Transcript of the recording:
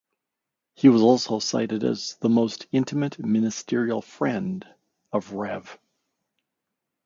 He was also cited as the "most intimate ministerial friend" of Rev.